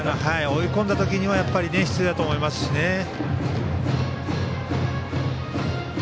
追い込んだときにはやっぱり必要だと思いますしね。